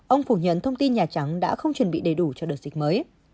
ông phủ nhận thông tin nhà trắng đã không chuẩn bị đầy đủ cho đợt dịch mới